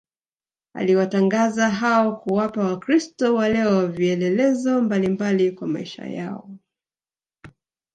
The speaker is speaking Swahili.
aliwatangaza hao kuwapa wakristo wa leo vielelezo mbalimbali kwa maisha yao